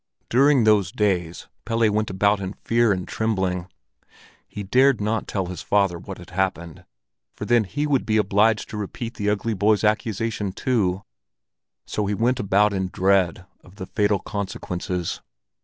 During those days, Pelle went about in fear and trembling. He dared not tell his father what had happened, for then he would be obliged to repeat the boy's ugly accusation, too; so he went about in dread of the fatal consequences.